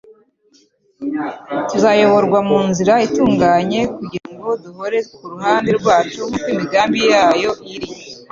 tuzayoborwa mu nzira itunganye kugira ngo duhore kuruhande rwacu nk’uko imigambi yayo iri.